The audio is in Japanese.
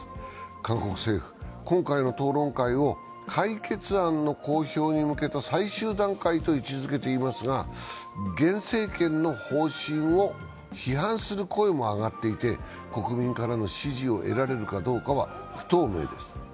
韓国政府は今回の討論会を解決案の公表に向けた最終段階と位置づけていますが現政権の方針を批判する声も上がっていて国民からの支持を得られるかどうかは不透明です。